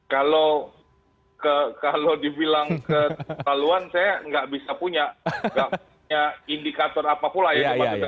kalau dibilang keterlaluan saya nggak bisa punya indikator apapun